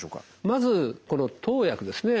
まずこの投薬ですね。